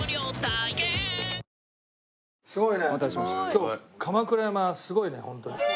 今日鎌倉山すごいねホントに。